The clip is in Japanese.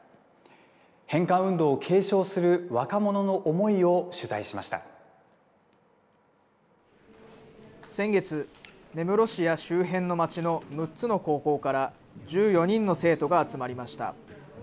返還運動を継承する若者の思いを先月、根室市や周辺の町の６つの高校から、１４人の生徒が集まりました。